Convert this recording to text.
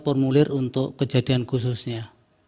formulir untuk kejadian khususnya